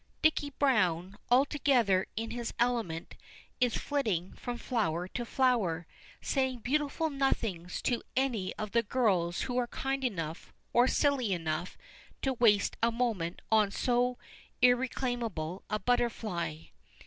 Dicky Browne, altogether in his element, is flitting from flower to flower, saying beautiful nothings to any of the girls who are kind enough or silly enough to waste a moment on so irreclaimable a butterfly.